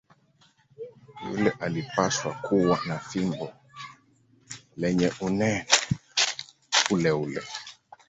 Yule alipaswa kuwa na fimbo lenye unene uleule.